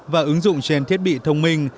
và ứng dụng trên thiết bị thông minh